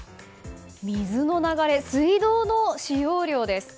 水の流れ、水道の使用量です。